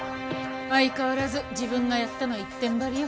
相変わらず「自分がやった」の一点張りよ。